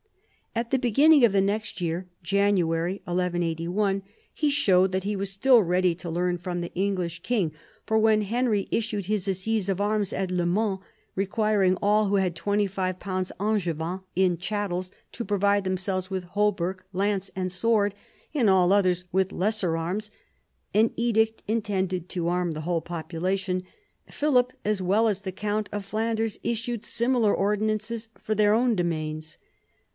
At the beginning of the next year, January 1181, he showed that he was still ready to learn from the English ii THE BEGINNINGS OF PHILIPS POWER 33 king, for when Henry issued his assize of arms at Le Mans requiring all who had £25 Angevin in chattels to provide themselves with hauberk, lance, and sword, and all others with lesser arms — an edict intended to arm the whole population — Philip as well as the count of Flanders issued similar ordinances for their own domains.